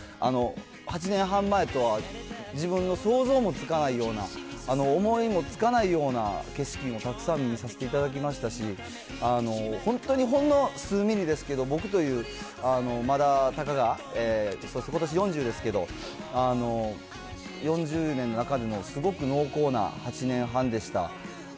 ８年半前とは自分の想像もつかないような、思いもつかないような景色もたくさん見させていただきましたし、本当にほんの数ミリですけど、僕というまだたかがことし４０ですけど、４０年の中でもすごく濃厚な８年半でした。